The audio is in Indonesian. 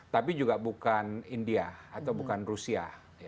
tapi juga bukan india atau bukan rusia